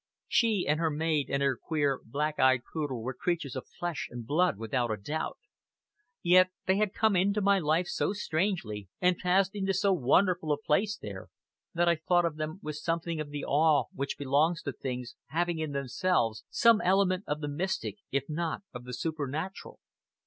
She and her maid and her queer, black eyed poodle were creatures of flesh and blood without a doubt; yet they had come into my life so strangely, and passed into so wonderful a place there, that I thought of them with something of the awe which belongs to things having in themselves some element of the mystic, if not of the supernatural.